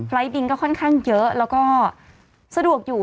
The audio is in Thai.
บินก็ค่อนข้างเยอะแล้วก็สะดวกอยู่